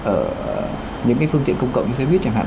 ở những cái phương tiện công cộng như xe buýt chẳng hạn